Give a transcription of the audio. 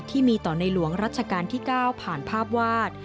ที่มีต่อในหลวงรัชกาลที่๙ผ่านภาพวาด